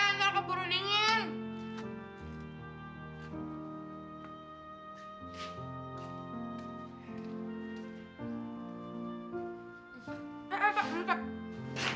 ntar keburu dingin